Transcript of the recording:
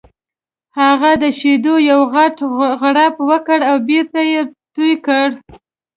هغه د شیدو یو غټ غوړپ وکړ او بېرته یې تو کړ